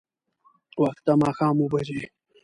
وخت د ماښام اوبه بجې.